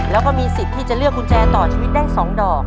แล้วก็มีสิทธิ์ที่จะเลือกกุญแจต่อชีวิตได้๒ดอก